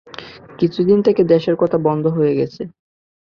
কিছুদিন থেকে দেশের কথা বন্ধ হয়ে গেছে।